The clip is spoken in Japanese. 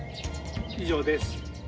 以上です。